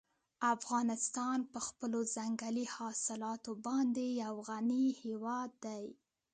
افغانستان په خپلو ځنګلي حاصلاتو باندې یو غني هېواد دی.